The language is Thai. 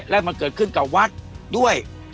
และมาเกิดขึ้นกับวัดด้วย